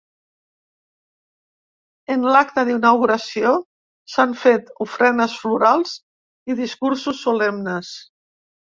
En l’acte d’inauguració, s’han fet ofrenes florals i discursos solemnes.